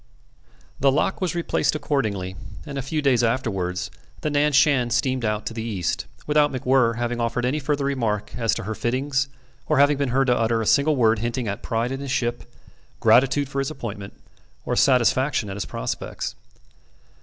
..." The lock was replaced accordingly, and a few days afterwards the Nan Shan steamed out to the East, without MacWhirr having offered any further remark as to her fittings, or having been heard to utter a single word hinting at pride in his ship, gratitude for his appointment, or satisfaction at his prospects.